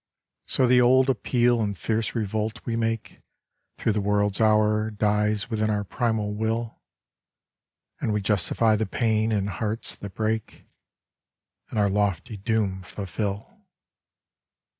So the old appeal and fierce revolt we make Through the world's hour dies within our primal will ; And we justify the pain and hearts that break, And our lofty doom fulfil.